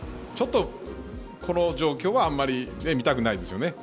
ちょっと、この状況はあんまり見たくないですよね。